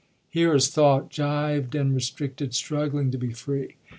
Here is thought, gyved and restricted, struggling to be free.